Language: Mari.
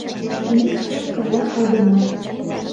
Мӱкш ден пырля айдемат